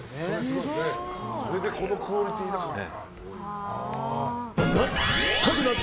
それでこのクオリティーだからな。